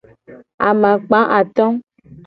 Amakpa ato.